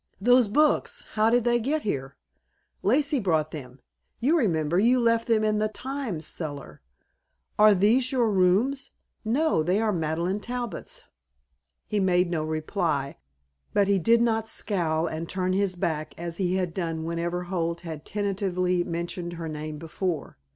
"Those books? How did they get here?" "Lacey brought them. You remember, you left them in the Times cellar." "Are these your rooms?" "No, they are Madeleine Talbot's." He made no reply, but he did not scowl and turn his back as he had done whenever Holt had tentatively mentioned her name before.